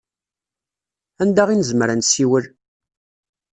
Anda i nezmer ad nsiwel?